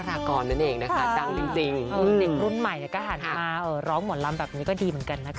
อาจจะมีเวลาแค่นี้